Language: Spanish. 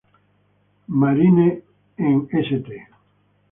Marine on St.